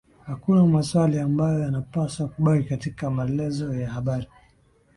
Hakuna maswali ambayo yanapaswa kubaki katika marlezo ya habari